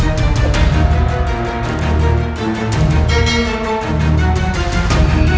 atau aku akan membunuh bunda